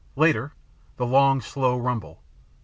Later, the long slow rumble.